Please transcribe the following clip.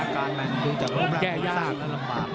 แก้ยาก